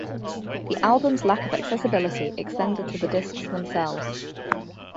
The album's lack of accessibility extended to the discs themselves.